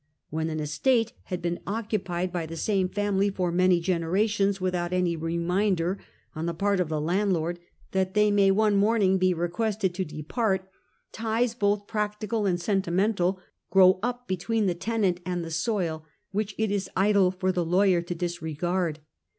When an estate has been occupied by the same family for many generations, without any reminder on the part of the landlord that they may one morning be requested to depai't, ties both practical and sentimental grow up between the tenant and the soil, which it is idle for the lawyer to disregard.